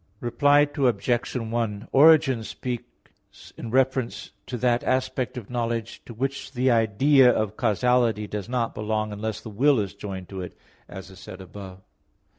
Reply Obj. 1: Origen spoke in reference to that aspect of knowledge to which the idea of causality does not belong unless the will is joined to it, as is said above.